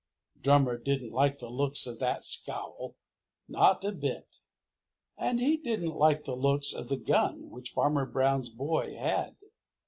Drummer didn't like the looks of that scowl, not a bit. And he didn't like the looks of the gun which Farmer Brown's boy had.